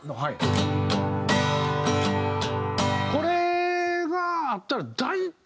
これがあったら大体。